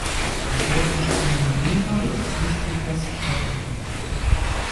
Der dort entspringende Mühlbach fließt durch das Stadtgebiet.